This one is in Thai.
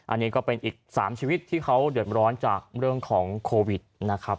อันนี้ก็เป็นอีก๓ชีวิตที่เขาเดือดร้อนจากเรื่องของโควิดนะครับ